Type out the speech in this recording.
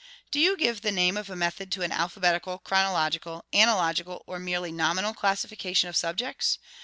Do you give the name of method to an alphabetical, chronological, analogical, or merely nominal classification of subjects?